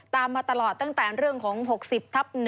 มาตลอดตั้งแต่เรื่องของ๖๐ทับ๑